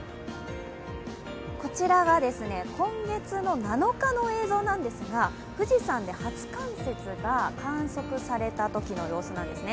こちらは今月の７日の映像なんですが富士山で初冠雪が観測されたときの様子なんですね。